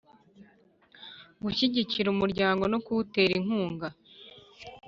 Gushyigikira umuryango no kuwutera inkunga